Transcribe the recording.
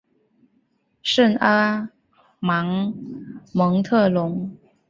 圣阿芒蒙特龙。